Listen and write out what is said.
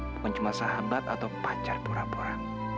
bukan cuma sahabat atau pacar pura pura